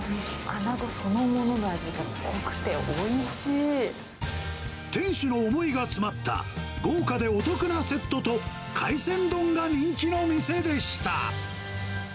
穴子そのものの味が濃くて、店主の思いが詰まった、豪華でお得なセットと、海鮮丼が人気の店でした。